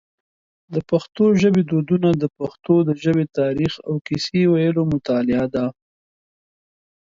د پښتو ژبی دودونه د پښتنو د ژبی تاریخ او کیسې ویلو مطالعه ده.